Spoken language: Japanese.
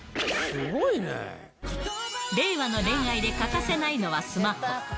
令和の恋愛で欠かせないのはスマホ。